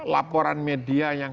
laporan media yang